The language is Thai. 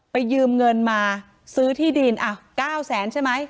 ไปยืมเงินมาซื้อที่ดินอ่ะเก้าแสนใช่ไหม